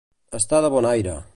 Estar de bon aire.